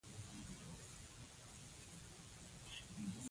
پلاستيک له دوړو نه ساتنه کوي.